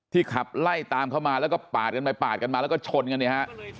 ขับไล่ตามเข้ามาแล้วก็ปาดกันไปปาดกันมาแล้วก็ชนกันเนี่ยฮะ